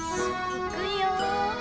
いくよ。